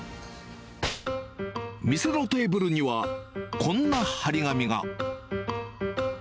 店のテーブルには、こんな貼り紙が。